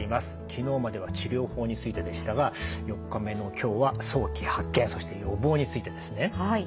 昨日までは治療法についてでしたが４日目の今日は早期発見そして予防についてですね。はい。